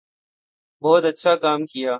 بہت اچھا کام کیا